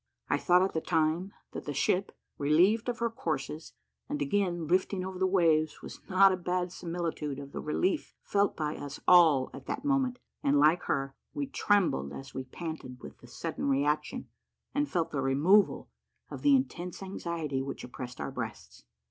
I thought at the time, that the ship, relieved of her courses, and again lifting over the waves, was not a bad similitude of the relief felt by us all at that moment; and, like her, we trembled as we panted with the sudden reaction, and felt the removal of the intense anxiety which oppressed our breasts.